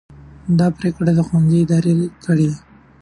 دا پرېکړه د ښوونځي ادارې کړې ده.